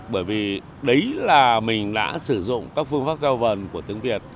bởi vì đấy là mình đã sử dụng các phương pháp giao vần của tiếng việt